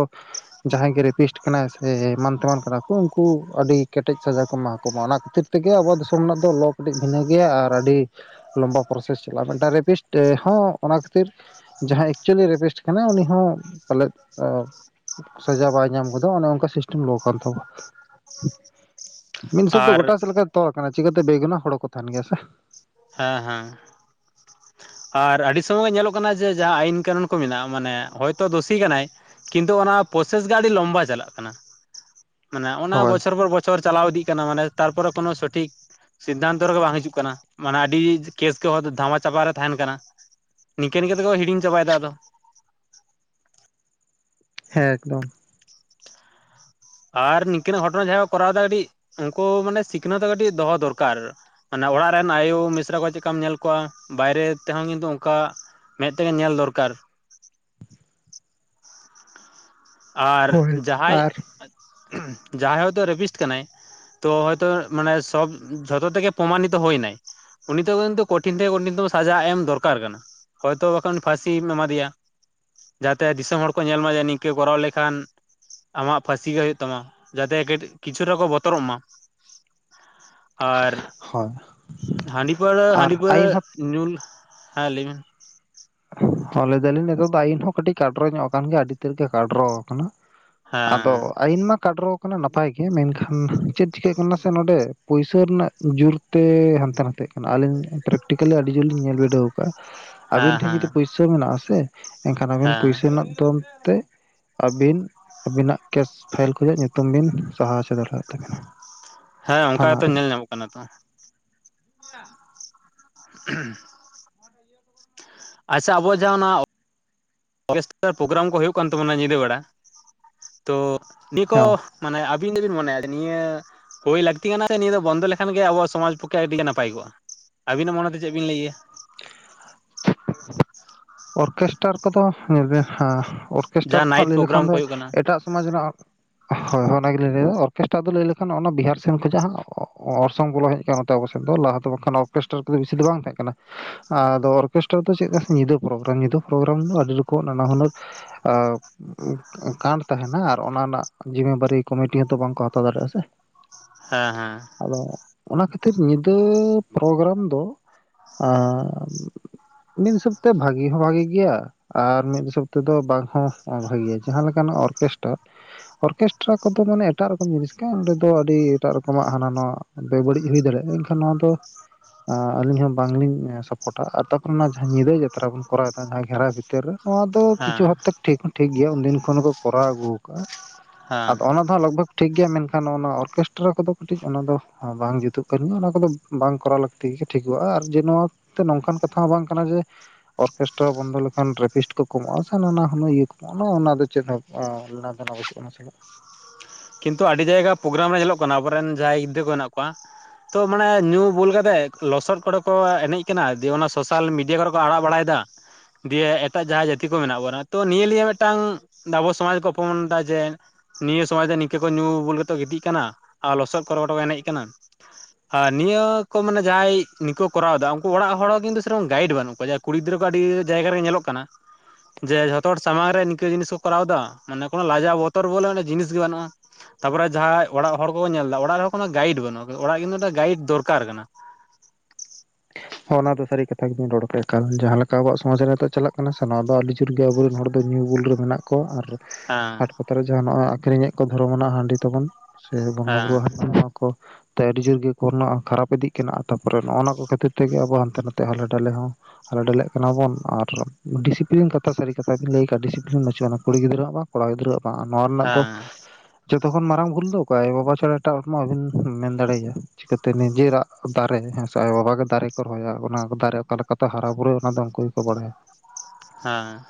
ᱡᱟᱦᱟᱸᱭ ᱜᱮ ᱨᱮᱯᱤᱥᱴ ᱠᱟᱱᱟᱭ ᱥᱮ ᱮᱢᱟᱱ ᱛᱮᱢᱟᱱ ᱠᱟᱱᱟ ᱠᱚ ᱩᱱᱠᱩ ᱟᱹᱰᱤᱼᱼ ᱠᱮᱴᱮᱡ ᱥᱟᱡᱟ ᱠᱚ ᱮᱢᱟ ᱠᱚᱢᱟ ᱚᱱᱟ ᱠᱷᱟᱹᱛᱤᱨ ᱛᱮᱜᱮ ᱟᱵᱚ ᱫᱤᱥᱚᱢ ᱨᱮᱱᱟᱜ ᱫᱚ ᱞᱚ ᱠᱟᱹᱴᱤᱡ ᱵᱷᱤᱱᱟᱹ ᱜᱮᱭᱟ ᱟᱨ ᱟᱹᱰᱤᱼᱼ ᱞᱚᱢᱵᱟ ᱯᱨᱚᱥᱮᱥ ᱪᱟᱞᱟᱜ-ᱟ ᱢᱤᱫᱴᱟᱝ ᱨᱮᱯᱤᱥᱴ ᱦᱚᱸ ᱚᱱᱟ ᱠᱷᱟᱹᱛᱤᱨᱼᱼ ᱡᱟᱦᱟᱸᱭ ᱮᱠᱪᱩᱞᱤ ᱨᱮᱯᱤᱥᱴ ᱠᱟᱱᱟ ᱩᱱᱤ ᱦᱚᱸ ᱯᱟᱞᱮᱫ ᱚᱻᱼᱼ ᱥᱟᱡᱟ ᱵᱟᱭ ᱧᱟᱢ ᱜᱚᱫᱟ ᱚᱱᱮ ᱚᱱᱠᱟ ᱥᱤᱥᱴᱮᱢ ᱞᱚ ᱠᱟᱱ ᱛᱟᱵᱚᱣᱟ᱾ ᱢᱤᱫ ᱦᱤᱥᱟᱹᱵᱽ ᱫᱚ ᱟᱨ ᱜᱚᱴᱟ ᱥᱮᱫ ᱞᱮᱠᱟ ᱛᱚ ᱟᱠᱟᱱᱟ ᱪᱤᱠᱟᱹ ᱛᱮ ᱵᱮ ᱜᱩᱱᱟ ᱦᱚᱲ ᱠᱚ ᱛᱟᱦᱮᱱ ᱜᱮᱭᱟ ᱥᱮ᱾ ᱦᱮᱸ ᱦᱮᱸ᱾ ᱟᱨ ᱟᱰᱤ ᱥᱚᱢᱚᱭ ᱧᱮᱞᱚᱜ ᱠᱟᱱᱟ ᱡᱮ ᱡᱟᱦᱟᱸ ᱟᱭᱤᱱ ᱠᱟᱹᱱᱩᱱ ᱠᱚ ᱢᱮᱱᱟᱜ-ᱟ ᱢᱟᱱᱮ ᱦᱚᱭᱛᱚ ᱫᱩᱥᱤ ᱠᱟᱱᱟᱭᱼᱼ ᱠᱤᱱᱛᱩ ᱚᱱᱟ ᱯᱨᱚᱥᱮᱥ ᱜᱮ ᱟᱰᱤ ᱞᱚᱢᱵᱟ ᱪᱟᱞᱟᱜ ᱠᱟᱱᱟ ᱢᱟᱱᱮ ᱚᱱᱟ ᱦᱳᱭ ᱵᱚᱪᱷᱚᱨ ᱵᱚᱨ ᱵᱚᱼᱼ ᱪᱷᱚᱨ ᱪᱟᱞᱟᱣ ᱤᱫᱤᱜ ᱠᱟᱱᱟ ᱢᱟᱱᱮ ᱛᱨᱯᱚᱨᱮ ᱠᱚᱱᱚ ᱥᱚᱴᱷᱤᱠ ᱥᱤᱫᱽᱫᱟᱱᱛᱚ ᱨᱮᱜᱮ ᱵᱟᱝ ᱦᱤᱡᱩᱜ ᱠᱟᱱᱟ᱾ ᱢᱟᱱᱮ ᱟᱰᱤ ᱠᱮᱥ ᱠᱚ ᱦᱚᱸ ᱫᱷᱟᱢᱟ ᱪᱟᱵᱟ ᱨᱮ ᱛᱟᱦᱮᱱ ᱠᱟᱱᱟ ᱱᱤᱝᱠᱟᱹ ᱱᱤᱠᱟᱹ ᱛᱮᱠᱚ ᱦᱤᱲᱤᱧ ᱪᱟᱵᱟ ᱭᱮᱫᱟ ᱟᱫᱚ᱾ ᱦᱮᱸ ᱮᱠᱫᱚᱢ᱾ ᱟᱨ ᱱᱤᱝᱠᱟᱹ ᱱᱟᱜ ᱜᱷᱚᱴᱚᱱᱟ ᱡᱟᱦᱟᱸ ᱠᱚᱨᱟᱣ ᱫᱟ ᱠᱟᱹᱴᱤᱡ ᱩᱱᱠᱚ ᱢᱟᱱᱮ ᱥᱤᱠᱷᱱᱟᱹᱛ ᱫᱚ ᱠᱟᱹᱴᱤᱡ ᱫᱚᱦᱚ ᱫᱚᱨᱠᱟᱨ᱾ ᱢᱟᱱᱮ ᱚᱲᱟᱜ ᱨᱮᱱ ᱟᱭᱩ ᱢᱤᱥᱨᱟ ᱠᱚ ᱪᱮᱜ ᱠᱟᱢ ᱧᱮᱞ ᱠᱚᱣᱟ ᱵᱟᱭᱨᱮ ᱛᱮᱦᱚᱸ ᱠᱤᱱᱛᱩ ᱚᱱᱠᱟᱼᱼ ᱢᱮᱫ ᱛᱮᱜᱮ ᱧᱮᱞ ᱫᱚᱨᱠᱟᱨ᱾ ᱟᱨ ᱦᱳᱭ ᱡᱟᱦᱟᱸᱭ ᱟᱨ ᱡᱟᱦᱟᱸᱭ ᱦᱳᱭ ᱛᱚ ᱨᱮᱵᱤᱥᱴ ᱠᱟᱱᱟᱭ ᱛᱚ ᱦᱳᱭᱛᱚ ᱢᱟᱱᱮ ᱥᱚᱵ ᱡᱷᱚᱛᱚ ᱛᱮᱜᱮ ᱯᱨᱚᱢᱟᱱᱤᱛ ᱦᱩᱭᱱᱟᱭ᱾ ᱩᱱᱤᱛᱚᱜ ᱠᱤᱱᱛᱩ ᱠᱚᱴᱷᱤᱱ ᱛᱷᱮᱠᱮ ᱠᱚᱴᱷᱤ ᱛᱚᱢᱚ ᱥᱟᱡᱟ ᱮᱢ ᱫᱚᱨᱠᱟᱨ ᱠᱟᱱᱟ᱾ ᱦᱚᱭᱛᱳ ᱵᱟᱠᱷᱟᱱ ᱯᱷᱷᱟᱥᱤᱢ ᱮᱢᱟ ᱫᱮᱭᱟ ᱡᱟᱛᱮ ᱫᱤᱥᱚᱢ ᱦᱚᱲ ᱠᱚ ᱧᱮᱞ ᱢᱟ ᱡᱟᱹᱱᱤᱡ ᱠᱚᱨᱟᱣ ᱞᱮᱠᱷᱟᱱ ᱟᱢᱟᱜ ᱯᱷᱷᱟᱥᱤ ᱜᱮ ᱦᱩᱭᱩᱜ ᱛᱟᱢᱟ ᱡᱟᱛᱮ [unintelligible] ᱠᱤᱪᱷᱩ ᱨᱮᱦᱚᱸ ᱠᱚ ᱵᱚᱛᱚᱨᱚᱜ ᱢᱟ᱾ [inaudible] ᱟᱨ ᱦᱳᱭ ᱦᱟᱺᱰᱤ ᱯᱟᱹᱣᱨᱟᱹ ᱟᱨ ᱦᱟᱺᱰᱤ ᱯᱟᱹᱣᱨᱟᱹ ᱟᱹᱭᱤᱱ ᱧᱩᱞ ᱦᱮᱸ ᱞᱟᱹᱭ ᱢᱮ᱾ ᱦᱚᱸ ᱞᱟᱹᱭ ᱫᱟᱞᱤᱧ ᱱᱤᱛᱚᱜ ᱫᱚ ᱟᱹᱭᱤᱱ ᱦᱚᱸ ᱠᱟᱹᱴᱤᱡ ᱠᱟᱰᱨᱚ ᱧᱚᱜ ᱟᱠᱟᱱ ᱜᱮᱭᱟ ᱟᱹᱰᱤ ᱛᱮᱫ ᱜᱮ ᱠᱟᱰᱨᱚ ᱟᱠᱟᱱᱟ᱾ ᱟᱫᱚ ᱦᱮᱸ ᱟᱭᱤᱱ ᱢᱟ ᱠᱟᱰᱨᱚ ᱠᱟᱱᱟ ᱱᱟᱯᱟᱭ ᱜᱮ ᱢᱮᱱᱠᱷᱟᱱ ᱪᱮᱫ ᱪᱤᱠᱟᱹᱜ ᱠᱟᱱᱟ ᱥᱮ ᱱᱚᱰᱮ ᱯᱩᱭᱥᱟᱹ ᱨᱮᱱᱟᱜ ᱡᱩᱨᱼᱼ ᱛᱮ ᱦᱟᱱᱛᱮ ᱱᱟᱛᱮᱜ ᱠᱟᱱᱟ ᱟᱞᱤᱧ ᱯᱨᱮᱠᱴᱤᱠᱟᱹᱞᱤ ᱟᱹᱰᱤ ᱡᱩᱨ ᱞᱤᱧ ᱧᱮᱞ ᱵᱤᱰᱟᱹᱣ ᱟᱠᱟᱜ-ᱟ᱾ ᱦᱮᱸ ᱦᱮᱸ᱾ ᱯᱚᱭᱥᱟ ᱢᱮᱱᱟᱜ ᱟᱥᱮ ᱮᱱᱠᱷᱟᱱ ᱟᱵᱮᱱ ᱦᱮᱸ ᱯᱚᱭᱥᱟ ᱨᱮᱱᱟᱜ ᱛᱚᱢᱢ ᱛᱮ ᱟᱹᱵᱤᱱ ᱟᱹᱵᱤᱱᱟᱜ ᱠᱮᱥ ᱯᱷᱟᱭᱤᱞ ᱠᱷᱱᱟᱜ ᱧᱩᱛᱩᱢ ᱵᱤᱱ ᱥᱟᱦᱟ ᱦᱚᱪᱚ ᱫᱟᱲᱮᱭᱟᱜ ᱛᱟᱹᱵᱤᱱᱟ᱾ ᱦᱮᱸ ᱚᱱᱠᱟ ᱜᱮᱛᱚ ᱧᱮᱞ ᱧᱟᱢᱚᱜ ᱠᱟᱱᱟ ᱛᱚ᱾ [unintelligible] [unintelligible] ᱟᱪᱪᱷᱟ ᱟᱵᱚᱣ ᱟᱜ ᱡᱟᱦᱟᱸ ᱚᱱᱟ ᱯᱨᱳᱜᱨᱟᱢ ᱠᱚ ᱦᱩᱭᱩᱜ ᱠᱟᱱ ᱛᱟᱵᱚᱱᱟ ᱧᱤᱫᱟᱹ ᱵᱮᱲᱟ ᱛᱚ ᱱᱤᱭᱟᱹ ᱠᱚ ᱦᱮᱸ ᱢᱟᱱᱮ ᱟᱹᱵᱤᱱ ᱫᱚᱵᱤᱱ ᱢᱚᱱᱮᱭᱟ ᱱᱤᱭᱟᱹ ᱦᱩᱭ ᱞᱟᱹᱠᱛᱤ ᱠᱟᱱᱟ ᱥᱮ ᱱᱤᱭᱟᱹ ᱫᱚ ᱵᱚᱱᱫᱚ ᱞᱮᱠᱷᱟᱱ ᱜᱮ ᱟᱵᱚᱣᱟᱜ ᱥᱚᱢᱟᱡᱽ ᱯᱚᱠᱠᱷᱮ ᱟᱹᱰᱤ ᱜᱮ ᱱᱟᱯᱟᱭ ᱠᱚᱜᱼᱟ? ᱟᱹᱵᱤᱱᱟᱜ ᱢᱚᱱᱮᱛᱮ ᱪᱮᱫ ᱵᱤᱱ ᱞᱟᱹᱭᱟ ᱮᱜ ᱟ? [unintelligible] [unintelligible] ᱚᱨᱠᱮᱥᱴᱟᱨ ᱠᱚᱫᱚ ᱧᱮᱞ ᱵᱮᱤ ᱚᱨᱠᱮᱥᱴᱟᱨ ᱡᱟᱦᱟᱸ ᱛᱮ ᱦᱟᱸᱜ ᱱᱟᱭᱤᱴ ᱞᱟᱹᱭ ᱯᱨᱳᱜᱨᱟᱢ ᱞᱮᱠᱷᱟᱱ ᱫᱚ ᱠᱚ ᱦᱩᱭᱩᱜ ᱠᱟᱱᱟ ᱮᱴᱟᱜ ᱥᱚᱢᱟᱡᱽ ᱨᱮᱱᱟᱜ ᱦᱳᱭ ᱦᱳᱭ ᱱᱟᱜᱷ ᱚᱱᱟᱜᱮᱞᱤᱧ ᱞᱟᱹᱭᱫᱟ ᱚᱨᱠᱮᱥᱴᱨᱟ ᱫᱚ ᱞᱟᱹᱭ ᱞᱮᱠᱷᱟᱱ ᱚᱱᱟ ᱵᱤᱦᱟᱨ ᱥᱮᱱ ᱠᱷᱚᱡᱟᱜ ᱦᱟᱸᱜ ᱚᱨᱥᱚᱝ ᱵᱚᱞᱚ ᱦᱮᱡ ᱱᱚᱛᱮ ᱟᱵᱚ ᱥᱮᱫ ᱫᱚ ᱞᱟᱦᱟ ᱫᱚ ᱵᱟᱝᱠᱷᱟᱱ ᱚᱨᱠᱮᱥᱴᱟᱨ ᱠᱚᱫᱚ ᱵᱤᱥᱤ ᱫᱚ ᱵᱟᱝ ᱛᱟᱦᱮᱸ ᱠᱟᱱᱟ ᱟᱫᱚ ᱚᱨᱠᱮᱥᱴᱟᱨ ᱫᱚ ᱪᱮᱫ ᱧᱤᱫᱟᱹ ᱯᱨᱳᱜᱨᱟᱢ ᱧᱤᱫᱟᱹ ᱯᱨᱳᱜᱨᱟᱢ ᱫᱚ ᱟᱹᱰᱤ ᱨᱚᱠᱚᱢ ᱱᱟᱱᱟ ᱦᱩᱱᱟᱹᱨ [unintelligible] ᱠᱟᱱᱰ ᱛᱟᱦᱮᱱᱟ ᱟᱨ ᱚᱱᱟ ᱨᱮᱱᱟᱜ ᱡᱤᱢᱟᱹ ᱵᱟᱨᱤ ᱠᱚᱢᱤᱴᱤ ᱦᱚᱸᱛᱚ ᱵᱟᱝᱠᱚ ᱦᱟᱛᱟᱣ ᱫᱟᱲᱮᱭᱟᱜᱼᱟ ᱥᱮ ᱾ ᱦᱮᱸ ᱦᱮᱸ ᱟᱫᱚ ᱚᱱᱟ ᱠᱷᱟᱹᱛᱤᱨ ᱧᱤᱫᱟᱹ ᱯᱨᱳᱜᱨᱟᱢ ᱫᱚ ᱟᱨ ᱢᱤᱫ ᱦᱤᱥᱟᱹᱵᱽ ᱛᱮ ᱵᱷᱟᱜᱤ ᱦᱚᱸ ᱵᱷᱟᱜᱤ ᱜᱮᱭᱟ᱾ ᱟᱨ ᱢᱤᱫ ᱦᱤᱥᱟᱹᱵᱽ ᱛᱮᱫᱚ ᱵᱟᱝ ᱦᱚᱸ ᱵᱷᱟᱹᱜᱮᱭᱟ ᱡᱟᱦᱟᱸ ᱞᱮᱠᱟᱱ ᱚᱨᱠᱮᱥᱴᱟᱨ ᱚᱨᱠᱮᱥᱴᱨᱟ ᱠᱚᱫᱚ ᱢᱟᱱᱮ ᱮᱴᱟᱜ ᱨᱚᱠᱚᱢ ᱡᱤᱱᱤᱥ ᱠᱟᱱᱟ ᱚᱸᱰᱮ ᱫᱚ ᱟᱹᱰᱤ ᱮᱴᱟᱜ ᱨᱚᱠᱚᱢᱟᱜ ᱦᱟᱱᱟ ᱱᱚᱣᱟ ᱵᱮᱵᱟᱹᱲᱤᱡ ᱦᱩᱭ ᱫᱟᱲᱮᱭᱟᱜᱼᱟ ᱮᱱᱠᱷᱟᱱ ᱱᱚᱣᱟ ᱫᱚ ᱟᱹᱞᱤᱧ ᱦᱚᱸ ᱵᱟᱝᱞᱤᱧ ᱠᱚᱴᱟᱜ ᱟᱨ ᱛᱟᱨᱯᱚᱨ ᱚᱱᱟ ᱡᱟᱦᱟᱸ ᱧᱤᱫᱟᱹ ᱡᱟᱛᱨᱟ ᱵᱚᱱ ᱠᱚᱨᱟᱣ ᱮᱟ ᱡᱟᱦᱟᱸ ᱜᱮᱷᱨᱟ ᱵᱷᱤᱛᱟᱹᱨ ᱨᱮ ᱱᱚᱣᱟ ᱫᱚ ᱠᱤᱪᱷᱩ ᱦᱮᱸ ᱦᱟᱯᱛᱮ ᱴᱷᱤᱠ ᱦᱚᱸ ᱴᱷᱤᱠᱜᱮᱭᱟ ᱩᱱᱫᱤᱱ ᱠᱷᱚᱱ ᱦᱚᱸᱠᱚ ᱠᱚᱨᱟᱣ ᱟᱹᱜᱩ ᱟᱠᱟᱫᱟ ᱦᱮᱸ ᱟᱫᱚ ᱚᱱᱟ ᱫᱚ ᱞᱟᱜᱽ ᱵᱷᱚᱜᱽ ᱴᱷᱤᱠ ᱜᱮᱭᱟ ᱢᱮᱱᱠᱷᱟᱱ ᱚᱱᱟ ᱚᱨᱠᱮᱥᱴᱨᱟ ᱠᱚᱫᱚ ᱠᱟᱹᱴᱤᱡ ᱚᱱᱟ ᱫᱚ ᱵᱟᱝ ᱡᱩᱛᱩᱜ ᱠᱟᱱ ᱜᱮᱭᱟ ᱚᱱᱟ ᱠᱚᱫᱚ ᱵᱟᱝ ᱠᱚᱨᱟᱣ ᱞᱟᱹᱠᱛᱤᱜᱮ ᱴᱷᱤᱠᱚᱜᱼᱟ ᱟᱨ ᱡᱮ ᱱᱚᱣᱟᱛᱮ ᱱᱚᱝᱠᱟᱱ ᱠᱟᱛᱷᱟ ᱦᱚᱸ ᱵᱟᱝ ᱠᱟᱱᱟ ᱡᱮ ᱚᱨᱠᱮᱥᱴᱨᱟ ᱵᱚᱱᱫᱚ ᱞᱮᱠᱷᱟᱱ ᱨᱮᱯᱤᱥᱴ ᱠᱚ ᱠᱚᱢᱚᱜᱼᱟ ᱥᱮ ᱱᱟᱱᱟ ᱦᱩᱱᱟᱹᱨ ᱤᱭᱟᱹ ᱠᱚ᱾ ᱚᱱᱟᱫᱚ ᱪᱮᱫ ᱦᱚᱸ ᱠᱤᱱᱛᱩ ᱟᱹᱰᱤ ᱡᱟᱭᱜᱟ ᱯᱨᱳᱜᱨᱟᱢ ᱨᱮ ᱧᱮᱞᱚᱜ ᱠᱟᱱᱟ ᱟᱵᱚᱨᱮᱱ ᱡᱟᱦᱟᱸᱭ ᱜᱤᱫᱽᱨᱟᱹ ᱠᱚ ᱢᱮᱱᱟᱜ ᱠᱚᱣᱟ ᱛᱚ ᱢᱟᱱᱮ ᱧᱩ ᱵᱩᱞ ᱠᱟᱛᱮᱜ ᱞᱚᱥᱚᱫ ᱠᱚᱨᱮ ᱠᱚ ᱮᱱᱮᱡ ᱠᱟᱱᱟ ᱫᱤᱭᱮ ᱚᱱᱟ ᱥᱳᱥᱟᱞ ᱢᱤᱰᱤᱭᱟ ᱠᱚᱨᱮ ᱟᱲᱟᱜ ᱵᱟᱲᱟᱭᱮᱫᱟ ᱫᱤᱭᱮ ᱮᱴᱟᱜ ᱡᱟᱦᱟᱸᱭ ᱡᱟᱛᱤ ᱠᱚ ᱢᱮᱱᱟᱜ ᱵᱚᱱᱟ ᱛᱚ ᱱᱤᱭᱟᱹ ᱱᱤᱭᱮ ᱢᱤᱫᱴᱟᱝ ᱟᱵᱚ ᱥᱚᱢᱟᱡᱽ ᱠᱚ ᱚᱯᱚᱢᱟᱱ ᱮᱫᱟ ᱡᱮ ᱱᱤᱭᱟᱹ ᱥᱚᱢᱟᱡᱽ ᱫᱚ ᱛᱮ ᱠᱚ ᱧᱩ ᱵᱩᱞ ᱠᱟᱛᱮ ᱠᱚ ᱜᱤᱛᱤᱡ ᱠᱟᱱᱟ ᱟᱨ ᱞᱚᱥᱚᱫ ᱠᱚᱨᱮ ᱜᱚᱴᱟ ᱠᱚ ᱮᱱᱮᱡ ᱠᱟᱱᱟ᱾ ᱟᱨ ᱱᱤᱭᱟᱹ ᱠᱚ ᱢᱟᱱᱮ ᱡᱟᱦᱟᱸᱭ ᱱᱤᱭᱟᱹᱠᱩ ᱠᱚᱨᱟᱣ ᱮᱫᱟ ᱩᱱᱠᱩ ᱚᱲᱟᱜ ᱦᱚᱲ ᱦᱚᱸ ᱠᱤᱱᱛᱩ ᱥᱮᱨᱚᱠᱚᱢ ᱜᱟᱭᱤᱰ ᱵᱟᱹᱱᱩᱜ ᱠᱚᱣᱟ᱾ ᱠᱩᱲᱤ ᱜᱤᱫᱽᱨᱟᱹ ᱠᱚ ᱟᱹᱰᱤ ᱡᱟᱭᱜᱟ ᱨᱮᱜᱮ ᱧᱮᱞᱚᱜ ᱠᱟᱱᱟ᱾ ᱡᱮ ᱡᱷᱚᱛᱚ ᱦᱚᱲ ᱥᱟᱢᱟᱝ ᱨᱮ ᱱᱤᱝᱠᱟᱹ ᱡᱤᱱᱤᱥ ᱠᱚ ᱠᱚᱨᱟᱣ ᱮᱫᱟ ᱢᱟᱱᱮ ᱠᱚᱱᱳ ᱞᱟᱡᱟᱣ ᱵᱚᱛᱚᱨ ᱵᱚᱞᱮ ᱡᱤᱱᱤᱥ ᱜᱮ ᱵᱟᱱᱩᱜᱼᱟ। ᱛᱟᱨᱯᱚᱨᱮ ᱡᱟᱦᱟᱸᱭ ᱚᱲᱟᱜ ᱦᱚᱲ ᱠᱚᱠᱚ ᱧᱮᱞ ᱮᱫᱟ ᱚᱲᱟᱜ ᱨᱮᱱ ᱦᱚᱲ ᱠᱚᱱᱳ ᱜᱟᱭᱤᱰ ᱵᱟᱹᱱᱩᱜᱼᱟ ᱚᱲᱟᱜ ᱠᱤᱱᱛᱩ ᱢᱤᱫ ᱜᱟᱭᱤᱰ ᱫᱚᱨᱠᱟᱨ ᱠᱟᱱᱟ। ᱦᱚᱸ ᱚᱱᱟ ᱫᱚ ᱥᱟᱹᱨᱤ ᱠᱟᱛᱷᱟ ᱜᱮᱵᱤᱧ ᱨᱚᱲ ᱠᱟᱜᱼᱟ ᱮᱠᱟᱞ ᱡᱟᱦᱟᱸ ᱞᱮᱠᱟ ᱟᱵᱚᱣᱟᱜ ᱥᱚᱢᱟᱡ ᱨᱮ ᱱᱤᱛᱚᱜ ᱪᱟᱞᱟᱜ ᱠᱟᱱᱟ ᱥᱮ ᱱᱚᱣᱟ ᱫᱚ ᱟᱹᱰᱤ ᱼᱼ ᱩᱰᱤ ᱡᱩᱨ ᱜᱮ ᱟᱵᱚᱨᱮᱱ ᱦᱚᱲ ᱫᱚ ᱧᱩ ᱵᱩᱞ ᱨᱮ ᱢᱮᱱᱟᱜ ᱼᱼ ᱠᱚᱣᱟ ᱠᱚ ᱟᱨ ᱦᱮᱸ ᱦᱟᱴ ᱠᱚᱛᱟᱨᱮ ᱡᱟᱦᱟᱸ ᱱᱚᱜᱼᱚᱭ ᱟᱠᱷᱨᱤᱧᱮᱫ ᱠᱚ ᱫᱷᱚᱨᱚᱢᱱᱟᱜ ᱦᱟᱺᱰᱤ ᱛᱟᱵᱚᱱ। ᱥᱮ ᱵᱚᱸᱜᱟ ᱦᱮᱸ ᱵᱩᱨᱩ ᱦ ᱠᱚ ᱛᱮ ᱟᱹᱰᱤ ᱡᱳᱨ ᱜᱮ ᱠᱚᱱᱼᱟ ᱠᱷᱟᱨᱟᱯ ᱤᱫᱤᱜ ᱠᱟᱱᱟ ᱛᱟᱯᱚᱨᱮ ᱱᱚᱜᱼᱚ ᱱᱚᱣᱟ ᱠᱚ ᱠᱷᱟᱹᱛᱤᱨ ᱛᱮ ᱛᱮᱜᱮ ᱟᱵᱚ ᱦᱟᱱᱛᱮ ᱱᱟᱛᱮ ᱦᱟᱞᱮ ᱰᱟᱹᱟᱞᱮ ᱦᱚᱸ। ᱦᱟᱞᱮ ᱰᱮᱞᱮᱜ ᱠᱟᱱᱟ ᱵᱚᱱ ᱟᱨ ᱰᱮᱥᱤᱯᱤᱞᱤᱱ ᱠᱟᱛᱷᱟ ᱥᱟᱹᱨᱤ ᱠᱟᱛᱷᱟ ᱵᱤᱱ ᱞᱟᱹᱭ ᱠᱟᱜᱼᱟ ᱰᱤᱥᱤᱯᱤᱞᱤᱱ ᱵᱟᱹᱩᱜ ᱟᱱᱟ ᱠᱩᱲᱤ ᱜᱤᱫᱽᱨᱟᱹᱣᱟᱜ ᱢᱟ ᱼᱼ ᱠᱚᱲᱟ ᱜᱤᱫᱽᱨᱟᱹᱣᱟᱜ ᱵᱟᱝ ᱱᱚᱣᱟ ᱨᱮᱱᱟᱜ ᱫᱚᱼᱼ ᱦᱮᱸ ᱡᱚᱛᱚ ᱠᱷᱚᱱ ᱢᱟᱨᱟᱝ ᱵᱷᱩᱞ ᱫᱚ ᱚᱠᱚᱭ ᱟᱭᱳ ᱵᱟᱵᱟ ᱪᱷᱟᱲᱟ ᱮᱴᱟᱜ ᱦᱚᱲ ᱢᱟ ᱵᱟᱹᱵᱤᱱ ᱢᱮᱱ ᱫᱟᱲᱮᱭᱟᱭᱟ᱾ ᱪᱤᱠᱟᱹ ᱛᱮ ᱱᱤᱡᱮᱨᱟᱜ ᱫᱟᱨᱮ ᱦᱮᱸ ᱥᱮ ᱟᱭᱳᱼᱵᱟᱵᱟ ᱜᱮ ᱫᱟᱨᱮ [unintelligible] ᱠᱚ ᱨᱚᱦᱚᱭᱟ ᱚᱱᱟ ᱫᱟᱨᱮ ᱚᱠᱟ ᱞᱮᱠᱟᱛᱮ ᱦᱟᱨᱟ ᱵᱩᱨᱩᱨᱩᱭᱟ ᱚᱱᱟᱫᱚ ᱩᱱᱠᱩ ᱜᱮᱠᱚ ᱵᱟᱲᱟᱭᱟ। ᱦᱮᱸ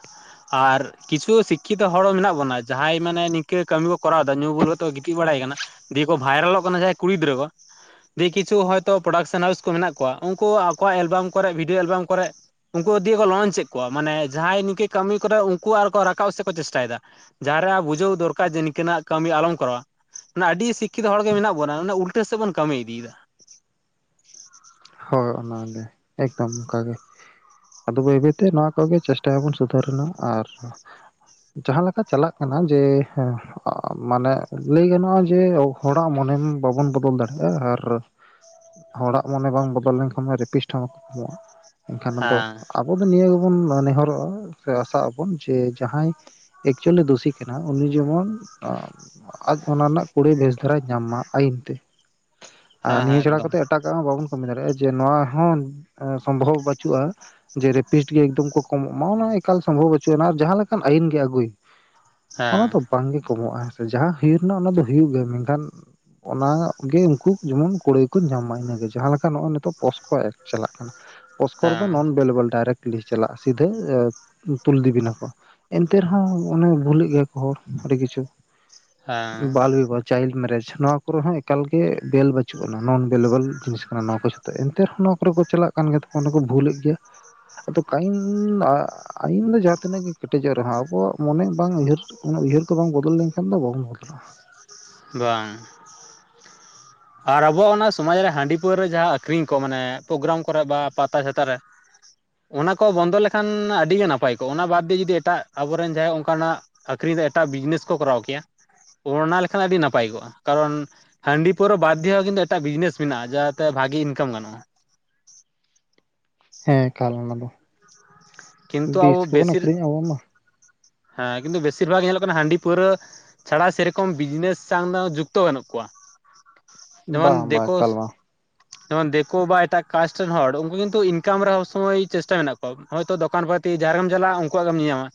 ᱟᱨ ᱠᱤᱪᱷᱩ ᱥᱤᱠᱠᱷᱤᱛᱚ ᱦᱚᱲ ᱦᱚᱸ ᱢᱮᱱᱟᱜ ᱵᱚᱱᱟ ᱡᱟᱦᱟᱸᱭ ᱢᱟᱱᱮ ᱱᱤᱝᱠᱟᱹ ᱠᱟᱹᱢᱤ ᱠᱚ ᱠᱚᱨᱟᱣᱮᱫᱟ ᱧᱩ ᱵᱩᱞ ᱠᱟᱼᱼ ᱛᱚ ᱜᱤᱛᱤᱡ ᱵᱟᱲᱟᱭ ᱠᱟᱱᱟ ᱫᱤᱭᱮ ᱠᱚ ᱵᱷᱟᱭᱨᱟᱞᱚᱜ ᱠᱟᱱᱟ ᱡᱟᱦᱟᱸᱭ ᱠᱩᱲᱤ ᱜᱤᱫᱽᱨᱟᱹ ᱠᱚ᱾ ᱫᱤᱭ ᱠᱤᱪᱷᱩ ᱦᱚᱭᱛᱳ ᱯᱨᱚᱰᱟᱠᱥᱮᱱ ᱦᱟᱣᱩᱥ ᱠᱚ ᱢᱮᱱᱟᱜ ᱠᱚᱣᱟ ᱩᱱᱠᱩ ᱟᱠᱚᱣᱟᱜ ᱮᱞᱵᱟᱢ ᱠᱚᱨᱮ ᱵᱷᱤᱰᱭᱳ ᱮᱞᱵᱟᱢ ᱠᱚᱨᱮ ᱼᱼ ᱩᱱᱠᱩ ᱫᱤᱭ ᱠᱚ ᱞᱚᱧᱪ ᱮᱫ ᱠᱚᱣᱟ ᱢᱟᱱᱮ ᱡᱟᱦᱟᱸᱭ ᱱᱤᱝᱠᱟᱹ ᱠᱟᱹᱢᱤ ᱠᱚᱨᱮ ᱩᱱᱠᱩ ᱟᱨᱚ ᱠᱚ ᱨᱟᱠᱟᱵ ᱥᱮᱫ ᱠᱚ ᱪᱮᱥᱴᱟᱭᱮᱫᱟ। ᱡᱟᱦᱟᱸᱨᱮ ᱵᱩᱡᱷᱟᱹᱣ ᱫᱚᱨᱠᱟᱨ ᱡᱮ ᱱᱤᱝᱟᱹᱱᱟᱜ ᱠᱟᱹᱢᱤ ᱟᱞᱚᱢ ᱠᱚᱨᱟᱣᱟ᱾ ᱢᱟᱱᱮ ᱟᱹᱰᱤ ᱥᱤᱠᱠᱷᱤᱛᱚ ᱦᱚᱲᱜᱮ ᱢᱮᱱᱟᱜ ᱵᱚᱱᱟ ᱚᱱᱟ ᱩᱞᱴᱟᱹ ᱥᱮᱫ ᱵᱚᱱ ᱠᱟᱹᱢᱤ ᱤᱫᱤᱭᱮᱫᱟ। ᱦᱳᱭ ᱚᱱᱟᱜᱮ ᱮᱠᱫᱚᱢ ᱚᱱᱠᱟᱜᱮ। ᱟᱫᱚ ᱵᱟᱹᱭ ᱵᱟᱹᱭ ᱛᱮ ᱱᱚᱣᱟ ᱠᱚᱜᱮ ᱪᱮᱥᱴᱟᱭᱟᱵᱚᱱ ᱥᱩᱫᱷᱟᱹᱨ ᱨᱮᱱᱟᱜ᱾ ᱟᱨ ᱼᱼ ᱡᱟᱦᱟᱸ ᱞᱮᱠᱟ ᱪᱟᱞᱟᱜ ᱠᱟᱱᱟ ᱡᱮ ᱦᱮᱸ ᱟᱻ ᱢᱟᱱᱮ ᱞᱟᱹᱭ ᱜᱟᱱᱚᱜᱼᱟ ᱡᱮ ᱦᱚᱲᱟᱜ ᱢᱚᱱᱮ ᱵᱟᱵᱚᱱ ᱵᱚᱫᱚᱞ ᱫᱟᱲᱮᱭᱟᱜᱼᱟ ᱟᱨ ᱼᱼ ᱦᱚᱲᱟᱜ ᱢᱚᱱᱮ ᱵᱟᱝ ᱵᱚᱫᱚᱞ ᱞᱮᱱᱠᱷᱟᱱ ᱢᱟ ᱨᱮᱯᱤᱥᱴ ᱦᱚᱸ ᱵᱟᱠᱚ ᱠᱚᱢᱚᱜᱼᱟ ᱮᱱᱠᱷᱟᱱ ᱫᱚ ᱦᱮᱸ ᱟᱵᱚ ᱟᱵᱚ ᱫᱚ ᱱᱤᱭᱟᱹ ᱜᱮᱵᱚᱱ ᱱᱮᱦᱚᱨᱚᱜᱼᱟ ᱥᱮ ᱟᱥᱟᱜ ᱟᱵᱚᱱ ᱡᱮ ᱡᱟᱦᱟᱸᱭ ᱼᱼ ᱮᱠᱪᱩᱭᱮᱞᱤ ᱫᱩᱥᱤ ᱠᱟᱱᱟ ᱩᱱᱤ ᱡᱮᱢᱚᱱ ᱟᱸᱻ ᱟᱡ ᱚᱱᱟ ᱨᱮᱱᱟᱜ ᱠᱩᱲᱟᱹᱭ ᱵᱮᱥ ᱫᱷᱟᱨᱟᱭ ᱧᱟᱢ ᱢᱟ ᱟᱹᱭᱤᱱ [unintelligible] ᱟᱨ ᱦᱮᱸ ᱦᱮᱸ ᱱᱤᱭᱟᱹ ᱪᱷᱟᱲᱟ ᱮᱠᱫᱚᱢ ᱠᱟᱛᱮᱫ ᱮᱴᱟᱜᱟᱜ ᱢᱟ ᱵᱟᱵᱚᱱ ᱼᱼ [unintelligible] ᱫᱟᱲᱮᱭᱟᱜᱼᱟ ᱡᱮ ᱱᱚᱣᱟ ᱦᱚᱸ ᱥᱚᱢᱵᱷᱚᱵ ᱵᱟᱹᱪᱩᱜᱼᱟ ᱡᱮ ᱨᱮᱯᱤᱴ ᱜᱮ ᱮᱠᱫᱚᱢ ᱠᱚ ᱠᱚᱢᱚᱜ ᱢᱟ ᱚᱱᱟ ᱮᱠᱟᱞ ᱥᱚᱢᱵᱷᱚᱵ ᱵᱪᱩᱜᱱᱟ ᱟᱨ ᱡᱟᱦᱟᱸ ᱞᱮᱠᱟᱱ ᱟᱭᱤᱱ ᱜᱮ ᱟᱹᱜᱩᱭ ᱼᱼ ᱚᱱᱟ ᱦᱮᱸ ᱫᱚ ᱵᱟᱝᱜᱮ ᱠᱚᱢᱚᱜᱼᱟ ᱦᱮᱸ ᱥᱮ ᱡᱟᱦᱟᱸ ᱦᱩᱭᱩᱜ ᱨᱮᱱᱟᱜ ᱚᱱᱟ ᱫᱚ ᱦᱩᱭᱩᱜ ᱜᱮᱭᱟ ᱢᱮᱱᱠᱷᱟᱱ ᱚᱱᱟᱜᱮ ᱩᱱᱠᱩ ᱡᱮᱢᱚᱱ ᱠᱩᱲᱟᱹᱭ ᱠᱚ ᱧᱟᱢ ᱢᱟ ᱤᱱᱟᱹᱜᱮ ᱡᱟᱦᱟᱸ ᱞᱮᱠᱟ ᱠᱚ ᱱᱤᱛᱚᱜ ᱯᱚᱥᱠᱚ ᱮᱠᱴ ᱪᱟᱞᱟᱜ ᱠᱟᱱᱟ ᱯᱚᱥᱠᱚ ᱨᱮᱫᱚ ᱦᱮᱸ ᱱᱚᱱ ᱵᱮᱞᱮᱵᱮᱞ ᱰᱟᱭᱨᱮᱠᱴ ᱼᱼ ᱞᱤ ᱪᱟᱞᱟᱜ ᱥᱤᱫᱷᱟᱹ ᱛᱩᱞ ᱤᱫᱤᱵᱤᱱᱟᱠᱚ। ᱮᱱᱛᱮ ᱨᱮᱦᱚᱸ ᱚᱱᱮ ᱵᱷᱩᱞᱮᱜ ᱜᱮᱭᱟ ᱠᱚ ᱦᱚᱲ ᱟᱹᱰᱤ ᱠᱤᱪᱷᱩ। ᱦᱮᱸ ᱵᱟᱞ ᱵᱤᱵᱟᱦ ᱪᱟᱭᱤᱞᱰ ᱢᱮᱨᱮᱡᱽ ᱱᱚᱣᱟ ᱠᱚᱨᱮ ᱦᱚᱸ ᱮᱠᱟᱞ ᱜᱮ ᱵᱮᱞ ᱵᱟᱹᱪᱼᱼ ᱩᱜ ᱟᱱᱟ ᱱᱚᱱ ᱵᱮᱞᱮᱵᱮᱞ ᱡᱤᱱᱤᱥ ᱠᱟᱱᱟ ᱱᱚᱣᱟ ᱠᱚ ᱡᱷᱚᱛᱚ ᱮᱱᱛᱮ ᱨᱮᱦᱚᱸ ᱱᱚᱣᱟ ᱠᱚᱨᱮ ᱠᱚ ᱪᱟᱞᱟᱜ ᱠᱟᱱ ᱜᱮᱭᱟ ᱠᱚ ᱚᱱᱰᱮ ᱠᱚ ᱵᱷᱩᱞ ᱮᱫ ᱜᱮᱭᱟ। ᱟᱫᱚ ᱠᱟᱭᱤᱱ ᱟᱹᱭᱤᱱ ᱫᱚ ᱡᱟᱦᱟᱸ ᱛᱤᱱᱟᱹᱜ ᱜᱮ ᱠᱮᱴᱮᱡᱚᱜ ᱨᱮᱦᱚᱸ ᱟᱵᱚᱣᱟᱜ ᱼᱼ ᱢᱚᱱᱮ ᱵᱟᱝ ᱩᱭᱦᱟᱹᱨ [unintelligible] ᱩᱭᱦᱟᱹᱨ ᱠᱚ ᱵᱟᱝ ᱵᱚᱫᱚᱞ ᱞᱮᱱᱠᱷᱟᱱ ᱫᱚ ᱵᱟᱵᱚᱱ ᱵᱚᱫᱚᱞᱚᱜᱼᱟ। ᱵᱟᱝᱻ ᱟᱨ ᱟᱵᱚᱣᱟᱜ ᱚᱱᱟ ᱥᱚᱢᱟᱡᱽ ᱨᱮ ᱦᱟᱺᱰᱤ ᱯᱟᱹᱣᱨᱟᱹ ᱡᱟᱦᱟᱸ ᱟᱹᱠᱷᱨᱤᱧ ᱠᱚ ᱢᱟᱱᱮ ᱯᱨᱳᱜᱨᱟᱢ ᱠᱚᱨᱮ ᱵᱟ ᱯᱟᱛᱟ ᱪᱷᱟᱛᱟ ᱨᱮ᱾ ᱚᱱᱟ ᱠᱚ ᱵᱚᱱᱫᱚ ᱞᱮᱠᱷᱟᱱ ᱟᱹᱰᱤ ᱜᱮ ᱱᱟᱯᱟᱭ ᱠᱚᱜᱼᱟ। ᱚᱱᱟ ᱵᱟᱫᱽ ᱫᱮ ᱡᱩᱫᱤ ᱮᱴᱟᱜ ᱟᱵᱚᱨᱮᱱ ᱡᱟᱦᱟᱸᱭ ᱚᱱᱠᱟᱱᱟᱜ ᱼᱼ ᱟᱹᱠᱷᱨᱤᱧ ᱛᱮ ᱮᱴᱟᱜ ᱵᱤᱡᱽᱱᱮᱥ ᱠᱚ ᱠᱚᱨᱟᱣ ᱠᱮᱭᱟ ᱚᱱ ᱚᱱᱟ ᱞᱮᱠᱷᱟᱱ ᱟᱹᱰᱤ ᱱᱟᱯᱟᱭ ᱠᱚᱜᱼᱟ ᱠᱟᱨᱚᱱ ᱦᱟᱺᱰᱤ ᱼᱼ ᱯᱟᱹᱨᱣᱟᱹ ᱵᱟᱫᱽ ᱫᱮ ᱦᱚᱸ ᱠᱤᱱᱛᱩ ᱮᱴᱟᱜ ᱵᱤᱡᱽᱱᱮᱥ ᱢᱮᱱᱟᱜᱼᱟ ᱡᱟᱛᱮ ᱵᱷᱟᱹᱜᱤ ᱤᱱᱠᱟᱢ ᱜᱟᱱᱚᱜᱼᱟ। ᱦᱮᱸ ᱮᱠᱟᱞ ᱚᱱᱟ ᱫᱚ ᱠᱤᱱᱛᱩ ᱟᱵᱚ ᱵᱤᱥ ᱜᱮᱵᱚᱱ ᱵᱮᱥᱤᱨ ᱟᱹᱠᱷᱨᱤᱧᱮᱫᱼᱟ ᱟᱵᱚ ᱢᱟ। ᱦᱮᱸ ᱠᱤᱱᱛᱩ ᱵᱮᱥᱤᱨ ᱵᱷᱟᱜ ᱧᱮᱞᱚᱜ ᱠᱟᱱᱟ ᱦᱟᱺᱰᱤ ᱯᱟᱹᱣᱨᱟᱹ᱾ ᱪᱷᱟᱲᱟ ᱥᱮᱨᱚᱠᱚᱢ ᱵᱤᱡᱽᱱᱮᱥ ᱥᱟᱶ ᱫᱚ ᱡᱩᱠᱛᱚ ᱵᱟᱹᱱᱩᱜ ᱠᱚᱣᱟ। ᱡᱮᱢᱚᱱ ᱵᱟᱝ ᱵᱟᱝ ᱫᱮᱠᱚᱥᱼᱼ ᱮᱠᱟᱞ ᱵᱟᱝ ᱡᱮᱢᱚᱱ ᱫᱤᱠᱩ ᱵᱟ ᱮᱴᱟᱜ ᱠᱟᱥᱴ ᱨᱮᱱ ᱦᱚᱲ ᱩᱱᱠᱩ ᱠᱤᱱᱛᱩ ᱤᱱᱠᱟᱢ ᱨᱮ ᱥᱚᱵᱽ ᱥᱚᱢᱚᱭ ᱪᱮᱥᱴᱟ ᱢᱮᱱᱟᱜ ᱠᱚᱣᱟ ᱦᱳᱭᱛᱚ ᱫᱚᱠᱟᱱ ᱯᱟᱹᱛᱤ ᱡᱟᱦᱟᱸ ᱨᱮᱜᱮᱢ ᱪᱟᱞᱟᱜᱼᱟ ᱩᱱᱠᱩᱣᱟᱜ ᱜᱮᱢ ᱧᱮᱜ ᱧᱟᱢᱟ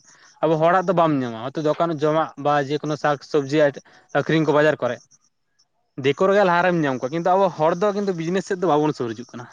ᱟᱵᱚ ᱦᱚᱲᱟᱜ ᱫᱚ ᱵᱟᱢ ᱧᱟᱢᱟ ᱦᱚᱭᱛᱚ ᱫᱚᱠᱟᱱ ᱡᱚᱢᱟᱜ ᱵᱟ ᱡᱮᱠᱳᱱᱳ ᱥᱟᱠ ᱥᱚᱵᱽᱡᱤᱼᱼ ᱟᱹᱠᱷᱨᱤᱧ ᱠᱚ ᱵᱟᱡᱟᱨ ᱠᱚᱨᱮ ᱫᱤᱠᱩ ᱨᱮᱜᱮ ᱞᱟᱦᱟᱨᱮᱢ ᱧᱟᱢ ᱠᱚᱣᱟ ᱠᱤᱱᱛᱩ ᱟᱵᱚ ᱦᱚᱲ ᱫᱚ ᱠᱤᱱᱛᱩ ᱵᱤᱡᱽᱱᱮᱥ ᱥᱮᱫ ᱫᱚ ᱵᱟᱵᱚᱱ ᱥᱩᱨ ᱦᱤᱡᱩᱜ ᱠᱟᱱᱟ